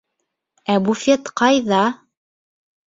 Ә буфет ҡайҙа?